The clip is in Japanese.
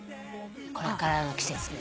これからの季節ね